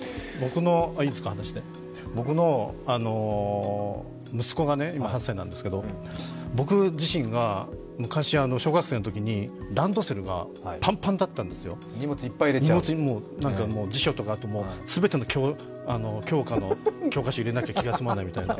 僕の息子が今８歳なんですけれども、僕自身が昔、小学生のときにランドセルがパンパンだったんです、辞書とか全ての教科の教科書を入れなきゃ気が済まないみたいな。